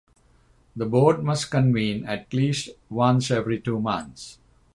The board must convene at least once every two months.